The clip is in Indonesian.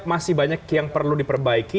masih banyak yang perlu diperbaiki